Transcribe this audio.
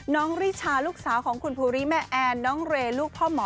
ริชาลูกสาวของคุณภูริแม่แอนน้องเรลูกพ่อหมอ